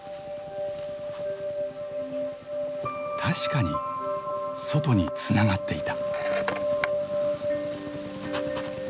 確かに外につながっていた。